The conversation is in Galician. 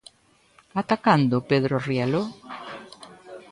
Ata cando, Pedro Rielo?